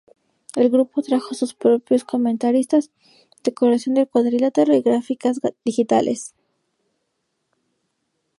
El grupo trajo sus propios comentaristas, decoración del cuadrilátero y gráficas digitales.